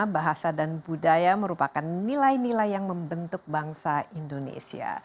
bahasa dan budaya merupakan nilai nilai yang membentuk bangsa indonesia